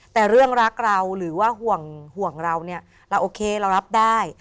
แต่เรื่องรักเราหรือว่าห่วงเราเนี่ยเราโอเคเรารับได้